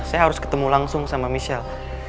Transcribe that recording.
saya harus ketemu langsung sama michelle